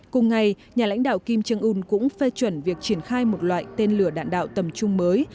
cùng ngày nhà lãnh đạo kim trương ưn cũng phê chuẩn việc triển khai một loại tên lửa đạn đạo tầm trung mới